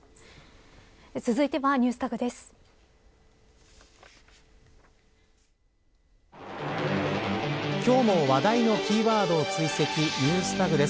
続いてはＮｅｗｓＴａｇです。